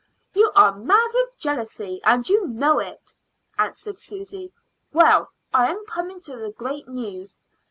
"You are mad with jealousy, and you know it," answered Susy. "Well, I am coming to the great news.